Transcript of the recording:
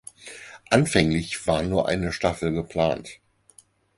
Anfänglich war nur eine Staffel geplant.